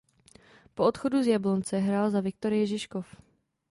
Po odchodu z Jablonce hrál za Viktorii Žižkov.